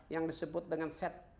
yang disebut dengan set top box